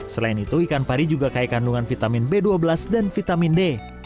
selain itu ikan pari juga kaya kandungan vitamin b dua belas dan vitamin d